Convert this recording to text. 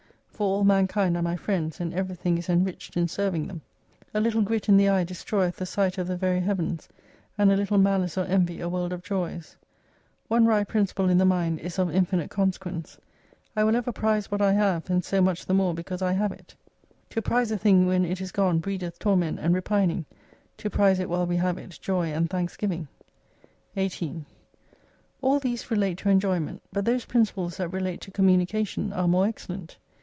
For all mankind are my friends, and everything is enriched in serving them. A little grit in the eye destroyeth the sight of the very heavens, and a little mahce or envy a world of joys. One wry principle in the mind is of infinite consequence. I will ever prize what I have, and so much the more because I have it. To prize a thing 2Sl when it is gone brecde*h torment and repining ; to prize it while we have it joy and thanksgiving. 18 All these reltae to enjoyment, but those principles that relate to communication are more excellent.